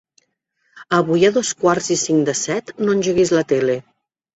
Avui a dos quarts i cinc de set no engeguis la tele.